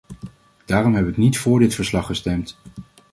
Daarom heb ik niet voor dit verslag gestemd.